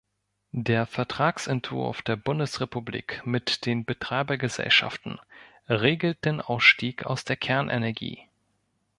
Der Vertragsentwurf der Bundesrepublik mit den Betreibergesellschaften regelt den Ausstieg aus der Kernenergie.